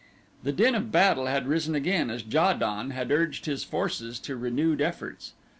The din of battle had risen again as Ja don had urged his forces to renewed efforts.